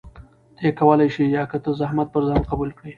ته يې کولى شې يا که ته زحمت پر ځان قبول کړي؟